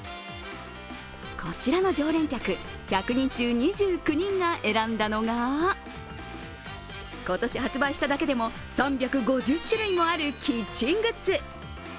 こちらの常連客１００人中２９人が選んだのが今年発売しただけでも３５０種類もあるキッチングッズ。